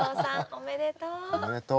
おめでとう。